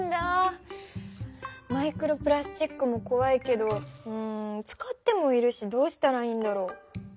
マイクロプラスチックもこわいけどうん使ってもいるしどうしたらいいんだろう？